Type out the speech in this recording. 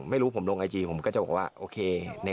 ไม่รู้ผมลงไอจีผมก็จะบอกว่าโอเค